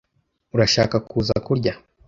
Urashaka kuza kurya?